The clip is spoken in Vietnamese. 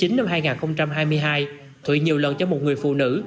năm hai nghìn hai mươi hai thụy nhiều lần cho một người phụ nữ